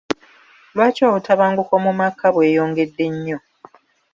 Lwaki obutabanguko mu maka bweyongedde nnyo?